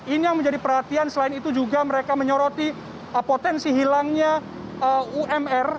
ini yang menjadi perhatian selain itu juga mereka menyoroti potensi hilangnya umr